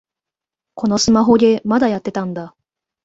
このスマホゲー、まだやってたんだ